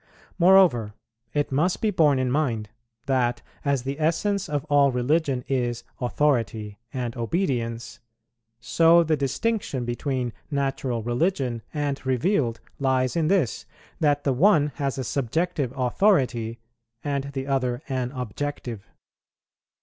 Moreover, it must be borne in mind that, as the essence of all religion is authority and obedience, so the distinction between natural religion and revealed lies in this, that the one has a subjective authority, and the other an objective.